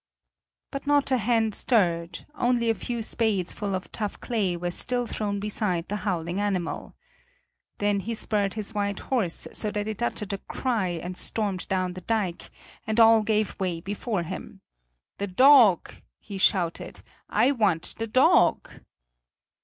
But not a hand stirred; only a few spades full of tough clay were still thrown beside the howling animal. Then he spurred his white horse so that it uttered a cry and stormed down the dike, and all gave way before him. "The dog!" he shouted, "I want the dog!"